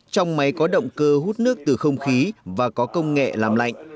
trong máy có động cơ hút nước từ không khí và có công nghệ làm lạnh